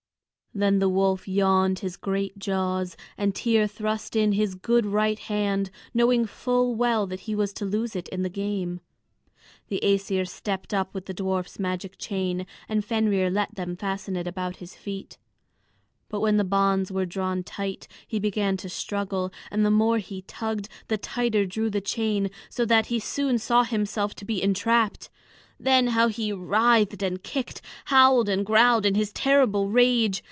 Then the wolf yawned his great jaws, and Tŷr thrust in his good right hand, knowing full well that he was to lose it in the game. The Æsir stepped up with the dwarfs' magic chain, and Fenrir let them fasten it about his feet. But when the bonds were drawn tight, he began to struggle; and the more he tugged, the tighter drew the chain, so that he soon saw himself to be entrapped. Then how he writhed and kicked, howled and growled, in his terrible rage!